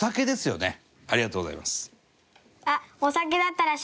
ありがとうございます。